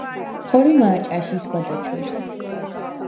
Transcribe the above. ხორიმა̄ ჭა̈შ ისგვა დაჩვირს?